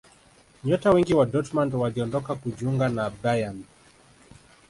nyota wengi wa dortmund waliondoka kujiunga na bayern